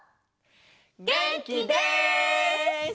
げんきです！